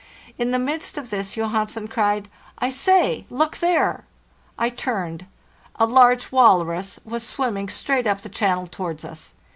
In the midst of this Johansen cried, "I say, look there!" | turned. A large walrus was swimming straight up the channel towards us.